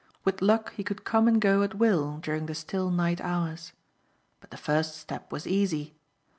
With luck he could come and go at will during the still night hours. But the first step was easy.